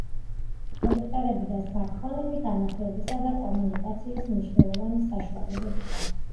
კომპიუტერები და სმარტფონები განათლებისა და კომუნიკაციის მნიშვნელოვანი საშუალებები გახდა.